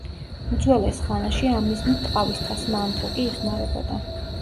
უძველეს ხანაში ამ მიზნით ტყავის თასმა ან თოკი იხმარებოდა.